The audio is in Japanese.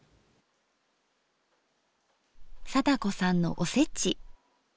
貞子さんのおせち。